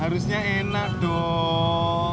harusnya enak dong